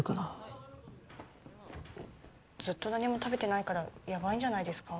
ずっと何も食べてないからやばいんじゃないですか？